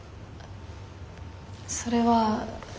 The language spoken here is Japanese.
それは。